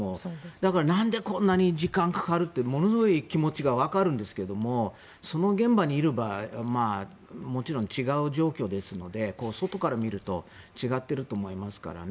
だから、なんでこんなに時間がかかるってものすごい気持ちがわかるんですけどその現場にいればもちろん、違う状況ですので外から見ると違っていると思いますからね。